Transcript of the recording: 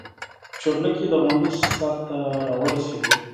چورلکې د غونډۍ سر ته راورسېدې.